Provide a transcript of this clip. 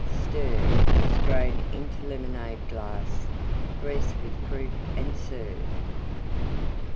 Stir; strain into Lemonade glass; dress with Fruit and serve.